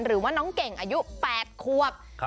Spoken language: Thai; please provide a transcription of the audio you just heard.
หรือว่าน้องเก่งอายุ๘ควบ